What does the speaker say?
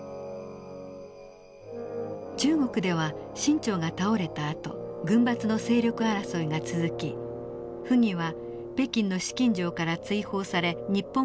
中国では清朝が倒れたあと軍閥の勢力争いが続き溥儀は北京の紫禁城から追放され日本公使館へ避難していたのです。